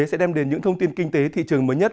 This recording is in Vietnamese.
sẽ đem đến những thông tin kinh tế thị trường mới nhất